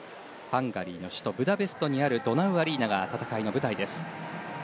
ハンガリーの首都ブダペストにあるドナウアリーナが戦いの舞台です。